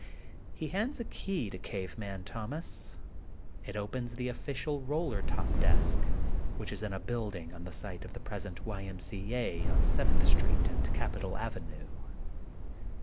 He hands a key to Cave Man Thomas. It opens the official roller top desk, which is in a building on the site of the present Y. M. C. A. on Seventh Street and Capital Avenue.